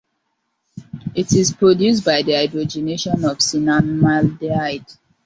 It is produced by the hydrogenation of cinnamaldehyde.